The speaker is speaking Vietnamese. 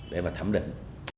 để mà thẩm định